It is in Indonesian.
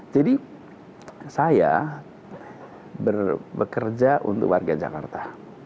jadi saya bekerja untuk warga jakarta